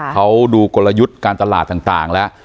เขาดูกลยุทธ์การตลาดต่างแล้ว